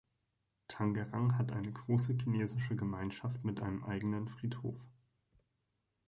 Tangerang hat eine große chinesische Gemeinschaft mit einem eigenen Friedhof.